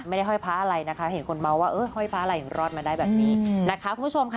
ห้อยพระอะไรนะคะเห็นคนเมาว่าเออห้อยพระอะไรถึงรอดมาได้แบบนี้นะคะคุณผู้ชมค่ะ